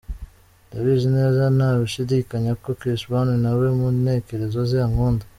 Ndabizi neza ntashidikanya ko Chris Brown nawe mu ntekerezo ze ankunda.